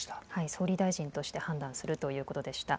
総理大臣として判断するということでした。